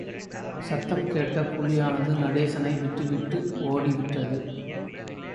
சத்தத்தைக் கேட்ட புலியானது நடேசனை விட்டுவிட்டு ஓடிவிட்டது.